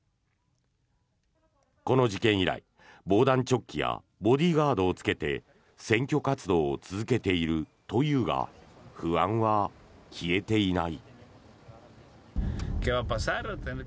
この事件以来、防弾チョッキやボディーガードをつけて選挙活動を続けているというが不安は消えていない。